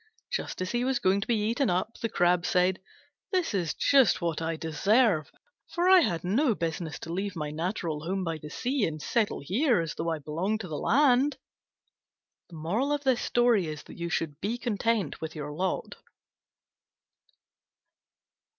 Just as he was going to be eaten up, the Crab said, "This is just what I deserve; for I had no business to leave my natural home by the sea and settle here as though I belonged to the land." Be content with your lot.